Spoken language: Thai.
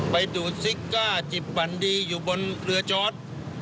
ไปดูดซิกก้าจิบบันดีอยู่บนเรือจอด